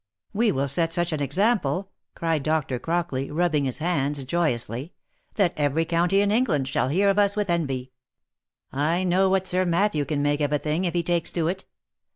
" We will set such an example," cried Dr. Crockley, rubbing his hands joyously, " that every county in England shall hear of us with envy — I know what Sir Matthew can make of a thing if he takes to it.